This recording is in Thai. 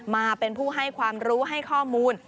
มาเป็นผู้ให้ความรู้ให้ข้อมูล